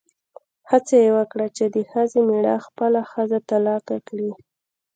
هڅه یې وکړه چې د ښځې مېړه خپله ښځه طلاقه کړي.